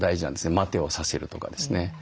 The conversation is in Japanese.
「待て」をさせるとかですね。